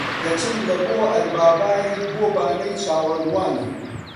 دەچم لە بۆ ئەڕبابای بۆ بانەی چاوەڕوانە